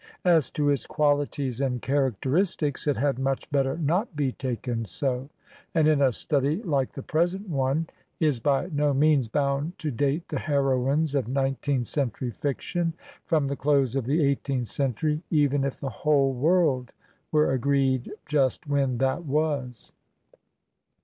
As to its quaUties and characteristics, it had much better not be taken so; and in a study like the present one is by no means bound to date the heroines of nineteenth century fiction from the close of the eighteenth century, even if the whole world were agreed just when that was.